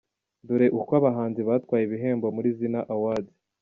Dore uko abahanzi batwaye ibihembo muri Zzina Awards:.